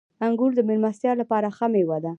• انګور د میلمستیا لپاره ښه مېوه ده.